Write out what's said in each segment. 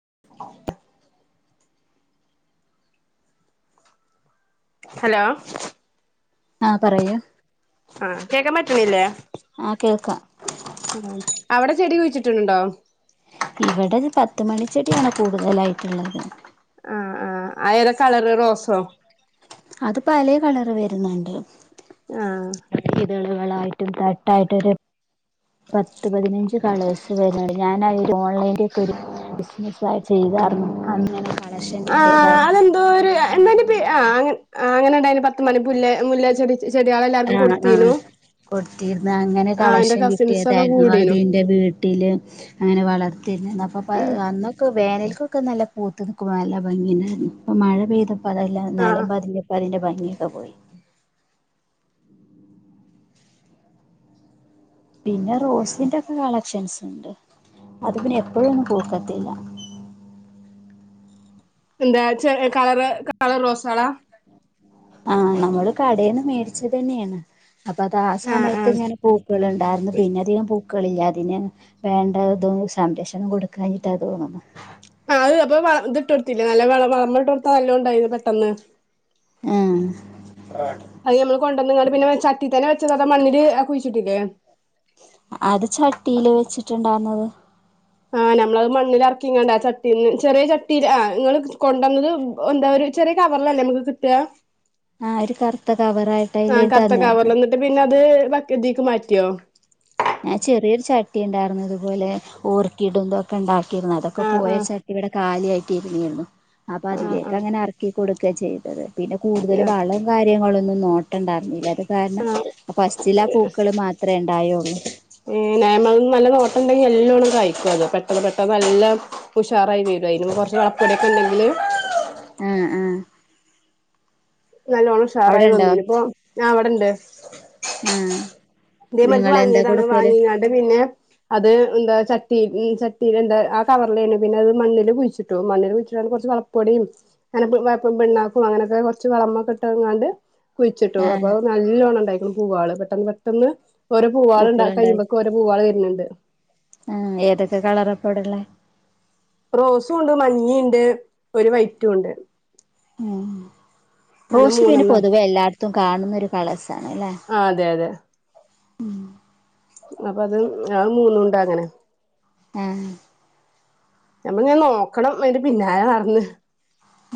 [inaudible] Hello. ആ പറയൂ. ആ കേക്കാൻ പറ്റ്ണ്ല്ലേ. ആഹ് കേൾക്കാം ആ അവടെ ചെടി കുയ് ച്ചിട്ടുണ്ടോ? ഇവടെ ത് പത്ത്മണി ചെടിയാണ് കൂടുതലായിട്ടിള്ളത്. ആ ആ അയേതാ കളറ് റോസോ? അത് പലേ കളറ് വര്ന്നുണ്ട്. ആ കളായിട്ടും തട്ടായിട്ടും ഒര് പത്ത് പതിനഞ്ച് കളേസ് വര്ണ്ട്, ഞാനത് ഓൺലൈനേക്കരു ബിസിനസ്സായിട്ട് ചെയ്തതാർന്നു, അന്ന് ഞാനത് ആ അതെന്തോരു എന്തന്റെ പേ ആ അങ്ങ ആ അങ്ങനെണ്ടായിനി പത്ത് മണി പുല്ലേ മുല്ലേ ചെടി ചെടികളെ ആ എല്ലാർക്കും ആ കൊടുത്തീനു കൊട് തീർന്നു അങ്ങനെ ആ എന്റെ കളക്ഷൻ കസിൻസ് ഒക്കെ കിട്ടിതായിരുന്നു അത് കൂടീനു ഇന്റെ വീട്ടില് അങ്ങനെ വളർത്തിർന്ന് ന്ന അപ്പ ഉം അന്നൊക്കെ വേനൽക്കോ ക്ക് നല്ല പൂത്ത് നിക്കുമ്പോ നല്ല ഭംഗി ഇണ്ടായിർന്നു, ഇപ്പം മഴ പെയ്ത പ്പ അതെല്ലാം ആ നെലംപതിഞ്ഞപ്പ അതിന്റെ ഭം ഗി ഒക്കെ പോയി. പിന്നെ റോസേന്റെക്കെ കളക്ഷൻസുണ്ട്, അതു പിന്നെ എപ്പഴൊന്നും പൂക്കത്തില്ല. ന്താച്ച കളറ് കളർ റോസകളാ. ആ നമ്മള് കടേന്ന് മേടിച്ചതെന്ന യാണ് അപ്പ ആ ആ അതാസമയത്തു ഇങ്ങന പൂക്കൾ ഇണ്ടാരുന്നു പിന്നെ അതികം പൂ പൂക്കളില്ലാതിന് വേണ്ടതു സംരക്ഷണം കൊടുക്കാനിട്ടന്ന് തോന്നുന്നേ അത് അപ്പം വളം ദിത്തൊടുത്തില്ലേ നല്ല വളം വളമിട്ടുകൊടുത്ത നല്ലോണ്ടായീന്ന് പെട്ടന്ന് ആഹ് അയ്യോ ഞമ്മള് കൊണ്ടന്നും കണ്ട് ചട്ടി തന്നെ - മണ്ണില് ആ കുയിച്ചിട്ടില്ലേ അത് ചട്ടില് വച്ചിട്ടിണ്ടാർന്ന് ആ ഞമ്മളത്‌ മണ്ണിലെറക്കി ഇങ്ങാണ്ട് ആ ചട്ടീന്ന് ചെറിയ ചട്ടീലാ നിങ്ങള് കൊണ്ടന്നത് എന്താ ഒരു ചെറിയ കവറിലല്ലേ നമ്മക്ക് കിട്ടുക ആഹ് ഒരു കറുത്ത കവറായിട്ട് ആ അയില് തന്നായിരുന്നു കറത്തകവറിലൊന്നിട്ട് പിന്നെത് ബക്കറ്റിലേക്കു മാറ്റി കിട്ടിയോ ഏ ചെറിയൊരു ചട്ടിയുണ്ടായിരുന്നു ഇതുപോലെ ഒറുക്കിയി [unintelligible] ടുമ്പം കണ്ടാ ക്കി ആഹ് അതൊക്കെപ്പോയ ആഹ് ചട്ടി ഇവിടെ കാലി [unintelligible] അപ്പ ആഹ് അതിലേക്കങ്ങന എറക്കി കൊടുക്കാ ചെയ്തത് പിന്ന കൂടുതല് ആഹ് വളോം കാര്യങ്ങള് നിന്നോ ട്ടണ്ടറിഞ്ഞില്ലത് കാരണം ആഹ് ഇപ്പൊ പസ്റ്റില പൂക്കള് മാത്രേ ഇണ്ടായുള്ളു ന്നേമം നല്ല നോട്ടൊണ്ടങ്കി നല്ലോണം കായ്ക്കൊള്ളു പെട്ടന്ന് പെട്ടന്ന് എല്ലാം ഉഷാറായി വരുവാരിണു പ്പ കൊറച്ചു [inaudible] ആ ആ നല്ലോണം ഉഷാറായി വന്നിനു ഇപ്പം ഞാൻ അവിടുണ്ട് ആഹ് ദേ ഇവന്മാർക്ക് നിങ്ങള് എന്താ വാങ്ങിയതാണ് കൊടുക്കല് വാങ്ങിങ്ങട് പിന്നെ അത് എന്താ ച ട്ടി ചട്ടീലെന്താ ആ കവറിലേനു പിന്ന അത് മണ്ണില് കുഴിച്ചിട്ടു മണ്ണില് കുയിച്ചിടാൻ കൊറച്ച് വളപ്പൊടീം [unintelligible] പുണ്ണാക്കും അങ്ങനത്ത കൊറച്ചു വളമൊക്കെ ഇട്ട് അങ്ങാണ്ട് കുയിച്ചിട്ടു അപ്പ ആഹ് നല്ലോണണ്ടായി ത്തള് പൂവാള് പെട്ടന്ന് പേ ട്ടന്ന് ഒരു പൂക്കളുണ്ടായി പൂവാളിണ്ടാക്കയീബക്കും ഒരു പൂവാള വരിന്നിണ്ട് തൊടള്ളേ റോസും ഉണ്ട് മഞ്ഞേണ്ട് ഒരു വൈറ്റും ഉണ്ട് ഏ അങ്ങനെ റോസ് പിന്നെ മൂന്നെണ്ണാണ് പൊതുവേ എല്ലാടത്തും കാണുന്നൊരു കള്ളേസ് ആ അതെ അതെ [unintelligible] പ്പത് അ മൂന്നുണ്ടാങ്ങനെ ആ ഞമ്മളിങ്ങന നോക്കണം വേണ്ടി പിന്നാല നടന്ന്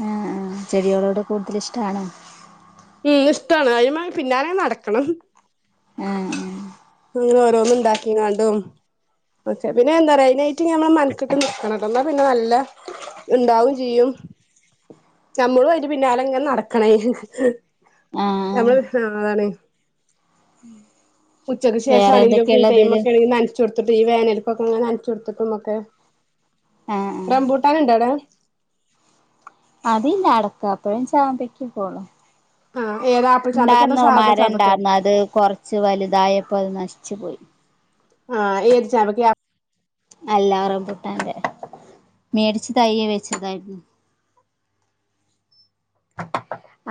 ആ ആ ചെടികളോടു കൂടുതല് ഇഷ്ടാണോ ഈ ഇഷ്ടാണ് അതുമാറി പിന്നാലെ നടക്കണം ഏഹ് ഇങ്ങഓഓരോന്നും ഇണ്ടാക്കിങ്ങാണ്ടും വെച്ചേ പിന്നെന്താറേദിനെ ഇറ്റ് ഇനിന്ന മെൻകെട്ടു നിക്കണത് എന്നാ പിന്നെ നല്ല ഇണ്ടാകുംചെയ്‌യും നമ്മളും അയിന്റെ പിന്നാലെങ്ങു നടക്കണേ ആ നമ്മൾ ഹരാനേ ഉച്ചക്കിശേഷം വേറെ ആരെങ്കിലും ഫ്രീ എന്തൊക്കെയള്ളതില് ടൈംഒക്കെ ഉണ്ടങ്കിൽ നനച്ചുകൊടുത്തിട്ടു ഒക്കും നനച്ചുകൊടുത്തുട്ടുമൊക്കെ ആ ആ റംബൂട്ടണ്ടിണ്ടാ അവിടെ അതില്ല അടക്കപ്പ ചാമ്പക്കക്കെ ഉള്ളു ആഹ് ഏതാ ആപ്പിൾ ചാമ്പക്കെ അതോ സാധാ ചാമ്പക്കെ ഇണ്ടാരുന്നവമാരരുന്നത് കൊറച്ചു വലുതായപോ അത് നശിച്ചുപോയി ആ ഈഒരു ചാമ്പക്കയാ അല്ല റംബൂട്ടന്റെ മേടിച്ചി തയ്യേ വെച്ചതാരുന്നു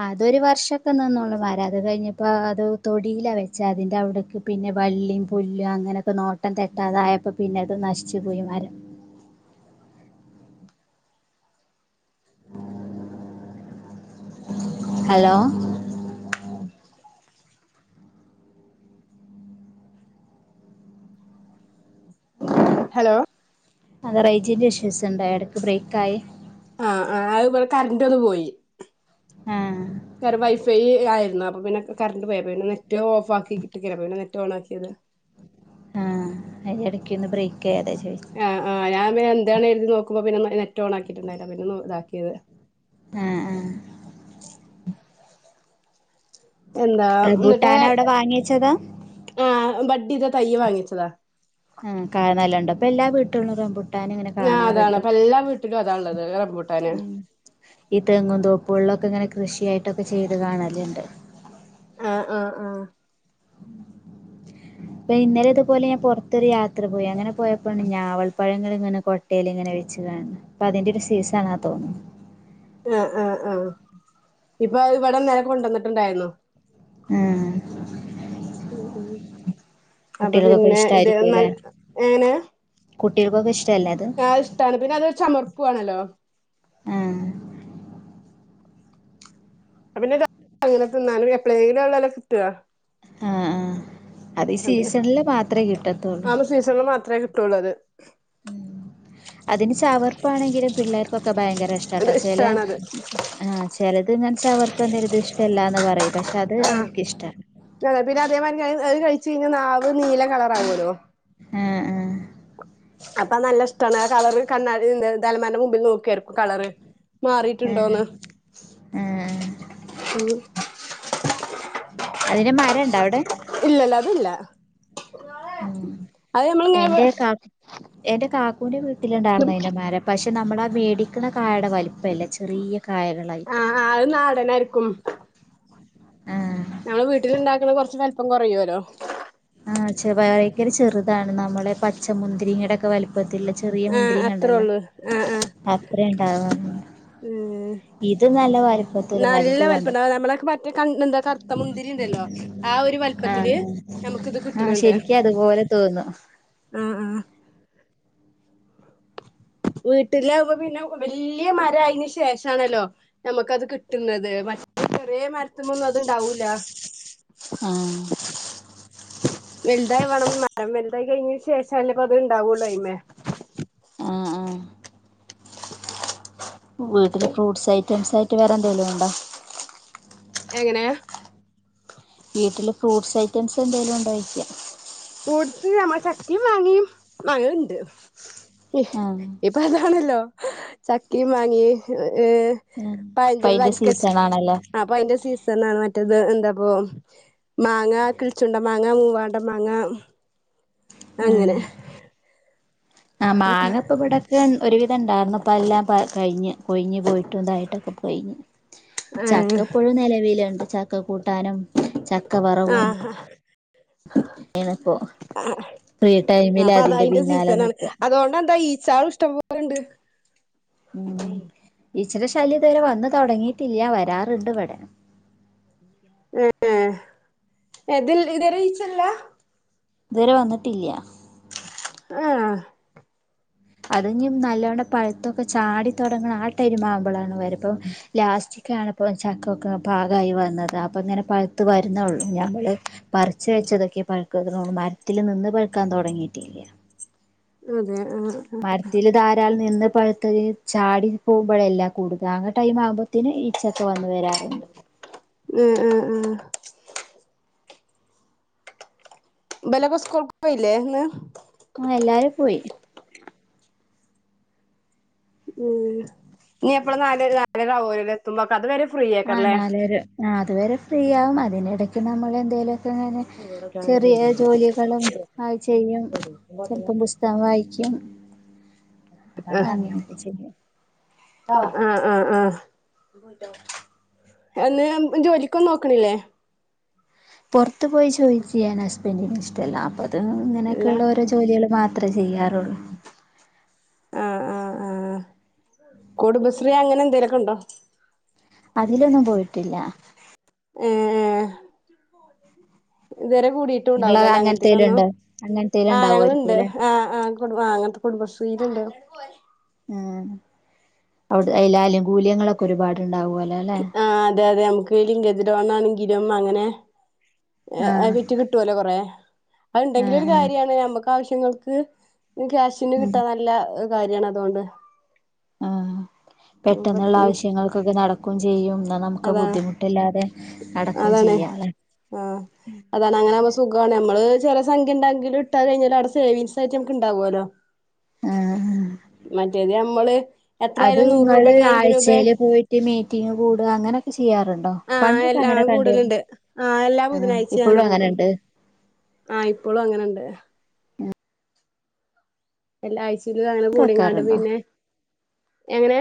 അതൊരു വർഷത്തുനിന്നൊള്ളു അതുകഴിഞ്ഞിപ്പോ തൊഴിലാ വെച്ചേ അതിന്റെ അവിടേക്കു പിന്നെ വള്ളിം പുല്ലു നോട്ടം തെറ്റാണായപ്പോ അതങ്ങു നശിച്ചു പോയി മരം ഹലോ [unintelligible] [inaudible] [unintelligible] ഹലോ അതാ റേഞ്ച്ന്റെ ഇഷ്യൂ ഈസ്‌ എന്തായിടക്ക് ബ്രേക്ഖ്യായി കറണ്ടത് പോയി ആ ആര് വൈഫൈ യാ എന്നാപ്പോപ്പിന്നെ ഇക് കറന്റ്‌ പോയി അപ്പൊ പിന്നെ നെറ്റ് ഓൺ ആക്കിയത് ആഹ് അതിടകിന്നു ബ്രേക്ക്‌ ആ ആ ഞാൻ പിൻ ഇതാണർതി നോക്കുമ്പോ പിന്നെ നെ നെറ്റ് ഓണാക്കിട്ട്ണ്ടായില പിന്നെ നോ ഇതാക്കിയത് ആ ആ ഇച് എന്നിട്ട് റംബൂട്ടാനവിടെ വാങ്ങിയച്ചതാ ഇത് തൈ വാങ്ങിച്ചതാ ആ ക നല്ലഉണ്ട് ഇപ്പൊ എല്ലാ വീട്ടിലും റമ്പൂ ഞ അതാണ് ഇപ്പൊ എല്ലാ വീട്ടിലും അതാള്ളത് റംബൂട്ടാണ് ഉം ഈ തെങ്ങും തൊപ്പുകളൊക്കെ ഇങ്ങനെ കൃഷിയായിട്ടൊക്കെചെയ്തു കാണലിൻഡ് ആ ആ ആ ഇപ്പൊ ഇന്നലത് പോലെ പൊറത്തൊരു യാത്രപോയി അങ്ങനെ പോയപ്പോ ഞാവൽ പഴങ്ങളിങ്ങനെ കോട്ടയിൽ വെച്ചു കാണുന്ന ഇപ്പോ അതിന്റെയൊരു സീസൺ ആണെന്ന് തോന്നുന്നു ആ ആ ആ ഇപ്പൊ അത് വടെ ഇന്നലെ കൊണ്ടന്നിട്ടുണ്ടാരുന്നു ഏ മ് മ് അപ്പൊ കുട്ടികൾക്കൊക്കെ പിന്നെ ന്തേ നൽ എങ്ങനെ കുട്ടികക്കൊക്കെ ഇഷ് ആ ഇഷ്ട്ടാണ് പിന്ന അതൊരു ചമർപ്പുവാണല്ലോ ആ അത് പിന്ന [inaudible] അങ്ങനെ തിന്നാനും എപ്പളെലും അല്ലെല്ലേ കിട്ടുക ആ ആ അത് ഈ പിന്നെ സീസണില് മാത്രേ കിട്ടത്തൊള്ളൂ തൊള്ളത് ഉം അതിന് ചവർപ്പാണെങ്കിലും പിള്ളേർക്കൊക്ക ഭയങ്കര ഇഷ്ടട്ടാ അത് ചെലെ ഇഷ്ടാണത് ആഹ ചെലത് ഇതിങ്ങനെ ചവർപ് പ്പെ എന്തേലും ഇത് ഇഷ്ടല്ലാന്ന് പറയും പക്ഷെ ആഹ് അവര്ക്ക് ഇഷ്ട്ടാണ് ച്ച് കയിഞ്ഞ നാവ് നീല കളറാവോല്ലോ ആ ആ അപ്പ നല്ല ഇഷ്ടാണ് കളറ് കണ്ണാടിന്റെ ദാ അൽമാരിന്റെ മുൻപി നോക്കിയാർക്കും കളറ് ആഹ് മാറീട്ടൊണ്ടോന്ന് ആഹ് ഉം അതിന്റെ മരണ്ടവിടെ ഇല്ലല്ല അതില്ല ഉം അത് നമ്മളിങ്ങനെ എന്റെ കാ എന്റെ കാക്കൂന്റെ വീട് ത്തീലോണ്ടാർന്ന് അയിന്റെ മരം പശ് നമ്മട മേടിക്കണം കായേടെ ആ ആ അത്‌ നാടനാരിക്കും ആ നമ്മള് വീട്ടിലൊണ്ടക്കണ കൊറച്ച് വലിപ്പം കൊറയുവല്ലോ ആഹ് ച്ചേ വായ് ഭയങ്കര ചെറുതാണ് ഞമ്മളെ പച്ച മുന്തിരിങ്ങാടെക്ക വലിപ്പ് ആഹ് അത്രോള്ളു ആഹ് ആഹ് അത്ര ഉണ്ടാവാറുണ്ട് ആഹ് ഇത് നല്ല വലിപ്പത്തില് നല്ല വലുത് കണ്ടിട്ടുണ്ട് വലിപ്പോണ്ടാകും നമ്മട മറ്റേ കൺ എന്താ കർത്ത മുന്തിരി ഇണ്ടല്ലോ ആ ഒരു വലിപ്പത്തില് ആഹ് നമ്ക്ക് ഇത് ആഹ് ആഹ് കിട്ടണ്ണ്ട് ശരിക്കും അതുപോലെ തോന്നും ആഹ് ആഹ് വീട്ടില് അപ്പ പിന്നെ വല്യ മാരായതിന് ശേഷാണല്ലോ ഞമ്മക്കത് കിട്ടുന്നത് പക്ഷെ [unintelligible] വേ മരത്തുമ്മേന്നും അതോണ്ടാവൂല്ല ആഹ് വെൽതാവണം മരം വെൽറതായി കഴിഞ്ഞ ശേഷല്ലേ പ്പ അത് ഇണ്ടാകുള്ളൂ അയ്മേ ആഹ് ആഹ് വീട്ടില് ഫ്രൂട്സ് ഐറ്റംസ് ആയിട്ട് വേറെ എന്തേലും ഒണ്ടോ എങ്ങനെ വീട്ടില് ഫ്രൂട്സ് ഐറ്റംസ് എന്തേലും ഒണ്ടോ ചോയിച്ചയാ ഫ്രൂട്സ് ചക്കേം മാങ്ങേ മാങ്ങേണ്ട് ആഹ് [unintelligible] ഇപ്പ അതാണല്ലോ ചക്കേം മാങ്ങേ ഏഹ് ഇപ്പ അതിന്റെ അയിന്റെ വരിക്കചക്ക സീസൺ ആണല്ലോ അപ്പ അതിന്റെ സീസൺ ആണ് മറ്റേത് ഇത് എന്താപ്പോ മാങ്ങ കിളിച്ചുണ്ടൻ മാങ്ങ മൂവാണ്ടൻ മാങ്ങ [inaudible] അങ്ങനെ അഹ് മാങ്ങ ഇപ്പ ഇവിടൊക്കെ ഒരുവിധം ഉണ്ടാരുന്നു ഇപ്പ അതെല്ലാം കഴിഞ്ഞ് പൊഴിഞ്ഞ് പോയിട്ടുണ്ടായിട്ടൊക്കെ പോയി ചക്ക ഇപ്പഴും നിലവിലുണ്ട് ചക്ക കൂട്ടാനും ചക്ക വറുവും ആ ഫ്രീ ടൈമിൽ അപ്പൊ അത് അതിന്റെ അയിന്റെ പിന്നാലെ സീസണാണ് നിക്കുവ അതുകൊണ്ട് എന്താ [unintelligible] ഉം ഈ ച്ചേടെ ശല്യം ഇവിടെ വന്ന് തൊടങ്ങീട്ടില്ല വരാറുണ്ട് ഇവിടെ ഏഹ് എതിൽ ഇതുവരെ ഈച്ച ഇല്ലാ ഇതുവരെ വന്നിട്ടില്ല്യ ആഹ് ഹ പഴുത്തോ ചാടി തൊടങ്ങണ ആ ടൈം ആകുമ്പോളാണ് വരുന്നത് ലാസ്റ്റ്ക്കെ ആയപ്പോ ചക്കൊക്കെ പാകായി വന്നതാ അപ്പൊ ഇങ്ങനെ പഴുത്ത് വരുന്നെ ഒള്ളൂ ഞങ്ങള് പറിച്ച് വെച്ചെതൊക്കെ പഴുക്കുന്നു മരത്തിൽ നിന്ന് പഴുക്കാൻ തൊടങ്ങീട്ടില്ല അതെ ആഹ് മരത്തില് [unintelligible] നിന്ന് പഴുത്തതീ ചാടിപ്പോകുമ്പഴല്ല കൊടുക്കാവുന്ന ടൈം ആകുമ്പഴുത്തെന് [unintelligible] ആഹ് ആഹ് ആഹ് [unintelligible] സ്കൂൾക്ക് പോയില്ലേ ഇന്ന് അഹ് എല്ലാരും പോയി മ്മ്ഹ് ഇനി എപ്പോളാ നാലെര നാലെര ആകുവോ അവരെത്തുമ്പൊ അതുവരെ ആഹ് നാലെര ആഹ് അതുവരെ ഫ്രീ ആകും അതിനിടക്ക് നമ്മൾ എന്തേലും ചെറിയ ജോലികളും അത് ചെയ്യും ചിലപ്പോ പുസ്തകം വായിക്കും ക്കും ആഹ് ഇങ്ങനെ ഒക്കെ ചെയ്യും ആഹ് ആഹ് ആഹ് എന്തിനും ജോലിക്ക്‌ നോക്കണില്ലേ പുറത്ത് പോയി ജോലി ചെയ്യാൻ ഹസ്ബെന്റിന് ഇഷ്ട്ടവില്ല ത് ഇല്ല ഇങ്ങനെക്കെയുള്ള ഓരോ ജോലികള് മാ ത്രെ ചെയ്യാറുള്ളു ആഹ് ആഹ് ആഹ് കുടുംബശ്രീ അങ്ങനെ എന്തേലുവൊക്കെ ഉണ്ടോ അതിലൊന്നും പോയിട്ടില്ല ഏഹ് ഏഹ് ഇതുവരെ നിങ്ങള് കൂടിട്ടുണ്ടാവൂലലേ അങ്ങനത്തേലും അങ്ങനെത്തെലൊന്നും ഉണ്ടോ അങ്ങനത്തേലും ആ ഉണ്ടാവുമായിരിക്കും ഞങ്ങളുണ്ട് അല്ലേ ആ ആ കുടു ആ അങ്ങനത്തെ കുടുംബശ്രീലുണ്ട് ഉം അവി ആനുകൂല്യങ്ങളൊക്കെ ഒരുപാട് ഉണ്ടാവു ആ അതെ അതെ നമ്മക്ക് ലിങ്കജ് ലോണാണെങ്കിലും അങ്ങനെ ഏ ഏഹ് ആഹ് വിറ്റ് കിട്ടുമല്ലോ കുറെ അത് ഉണ്ടെങ്കിലോ ഒരു ആഹ് കാര്യാണ് നമ്മക്ക് ആവശ്യ ങ്ങൾക്ക് കാശിന് ആഹ് കിട്ട നല്ല കാര്യാണ് അതോണ്ട് ആ പെട്ടെന്നുള്ള ആവശ്യങ്ങൾക്കൊക്കെ നടക്കും ചെയ്യും നമുക്ക് അതാണ് ബുദ്ധിമുട്ടില്ലാതെ നടക്കും അതാണേ ചെയ്യാല്ലേ ആ അതാണ് അങ്ങനെയാവുമ്പോ സുഖാണ് നമ്മള് ചെല സംഘ്യണ്ടാകില് ഇട്ടാ കഴിഞ്ഞാൽ അവിടെ സേവിംഗ്സായിട് അവിടെ ഉണ്ടാവല്ലോ ആഹ് മറ്റേത് നമ്മള് അത് എത്രായാലും നൂറ് ഇങ്ങള് രൂപയാണെങ്കി അയ്മ്പത് രൂപ ആഴ്ചയിൽ പോയിട്ട് മീ റ്റിംഗ് കൂട അങ്ങനൊക്കെ ചെ ആ എല്ലാ കൂടലുണ്ട് ആ എല്ലാ ബുധനാഴ്ചയും ഇപ്പോഴും അങ്ങനെ കൂടും അങ്ങനെണ്ട് ആ ഇപ്പളും അങ്ങനെണ്ട് എല്ലാ ആഴ്ച് ഇത് അങ്ങനെ കൂടികാണ്ട് വെക്കാറുണ്ടോ പിന്നെ എങ്ങനെ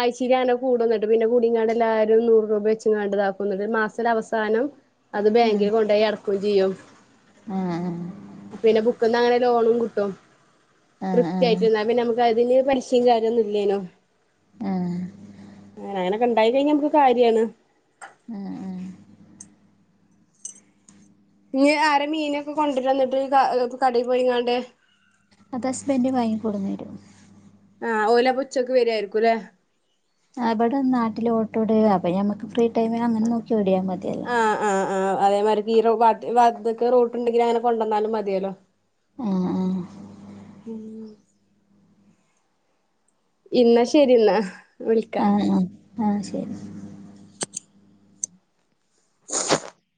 ആഴ്ചയിൽ അങ്ങനെ കൂടും ന്നിട്ട് പിന്നെ കൂടികാണ്ട് എല്ലാരും നൂറ് രൂപ വെച്ചിങ്ങാണ്ട് ഇതാക്കും ന്നിട്ട് മാസ അവസാനം അത് ബാങ്കിൽ ആഹ് കൊണ്ടോയി അടക്കും ചെയ്യും ആഹ് പിന്നെ ബുക്ക്ടാങ്ങന്ന് അങ്ങനെ ലോണും കിട്ടും ആഹ് ആഹ് വൃത്തിയായിട്ട് ന്നാ പിന്നെ നമ്മക്ക് ഇതില് പലിശ കാര്യം ഒന്നുമില്ലേനു ആഹ് ആ അങ്ങനെക്കെണ്ടായി കഴിഞ്ഞ നമ്മക്ക് കാര്യാണ് മൂ മൂ ഇഞ്ഞ് ആരാ മീനൊക്കെ കൊണ്ട്രാന്നിട്ട് കാ കടേല് പോയികാണ്ട് അത് ഹസ്ബൻഡ് വാങ്ങി കൊടുന്നു തരും ആ ഓലപ്പോ ഉച്ചക്ക് വരുവായിരിക്കും ലേ ആ അവിടെ നാട്ടിൽ ഓട്ടോ ഡ്രൈവറാ അപ്പോ നമ്മക്ക് ഫ്രീ ടൈമിൽ അങ്ങനെ നോക്കി വ ആ ആ ആ അയെ മാരി ഈറോ വത് വാർതക്ക റൂട്ട് ഇണ്ടെങ്കി അങ്ങനെ കൊണ്ടെന്നാലും മതിയല്ലോ ആഹ് ഉം ഇന്നാ ശെരിന്ന ആ ആ ആ ശെരി [inaudible]